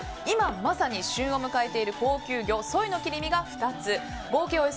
今、まさに旬を迎えている高級魚ソイの切り身が２つ合計